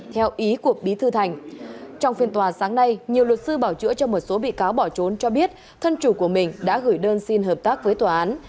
đối với một số bị cáo bỏ trốn cho biết thân chủ của mình đã gửi đơn xin hợp tác với tòa án